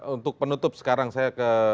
untuk penutup sekarang saya ke